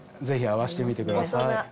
ぜひ合わせてみてください。